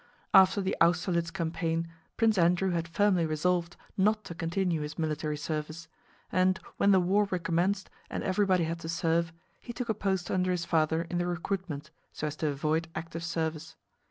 After the Austerlitz campaign Prince Andrew had firmly resolved not to continue his military service, and when the war recommenced and everybody had to serve, he took a post under his father in the recruitment so as to avoid active service.